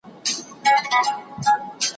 نه د عقل پوهي ګټه را رسېږي